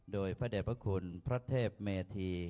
โดยพระเด็จพระคุณพระเทพเมธี